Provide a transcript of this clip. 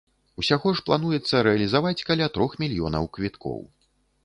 Усяго ж плануецца рэалізаваць каля трох мільёнаў квіткоў.